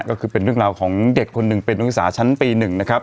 ก็คือเป็นเรื่องราวของเด็กคนหนึ่งเป็นนักศึกษาชั้นปี๑นะครับ